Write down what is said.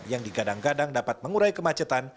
yang digadang gadang dapat mengurai kemacetan